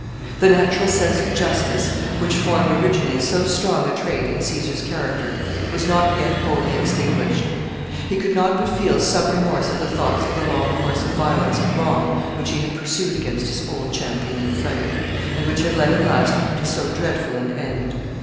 The natural sense of justice, which formed originally so strong a trait in Caesar's character, was not yet wholly extinguished. He could not but feel some remorse at the thoughts of the long course of violence and wrong which he had pursued against his old champion and friend, and which had led at last to so dreadful an end.